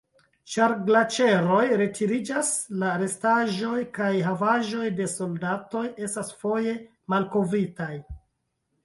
Ĉar glaĉeroj retiriĝas, la restaĵoj kaj havaĵoj de soldatoj estas foje malkovritaj.